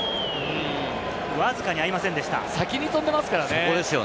わずか先に飛んでますからね。